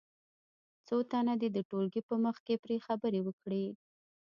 څو تنه دې د ټولګي په مخ کې پرې خبرې وکړي.